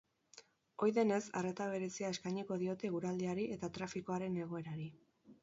Ohi denez, arreta berezia eskainiko diote eguraldiari eta trafikoaren egoerari.